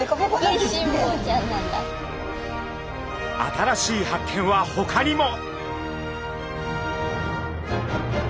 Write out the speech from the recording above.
新しい発見はほかにも。